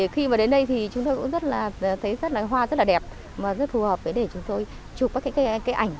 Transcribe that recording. khi mà đến đây thì chúng tôi cũng thấy hoa rất là đẹp rất là thù hợp để chúng tôi chụp các cái ảnh